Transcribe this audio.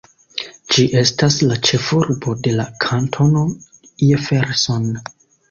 Ĝi estas la ĉefurbo de la Kantono Jefferson.